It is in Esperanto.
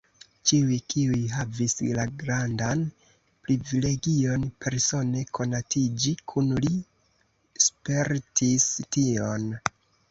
Ĉiuj, kiuj havis la grandan privilegion persone konatiĝi kun li, spertis tion.